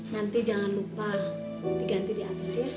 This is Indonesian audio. nanti jangan lupa diganti di atas ya